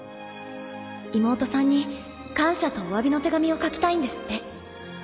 妹さんに感謝とお詫びの手紙を書きたいんですって。